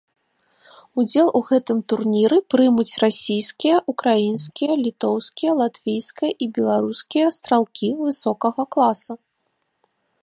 Удзел у гэтым турніры прымуць расійскія, украінскія, літоўскія, латвійскія і беларускія стралкі высокага класа.